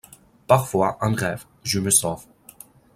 Parfois, en rêve, je me sauve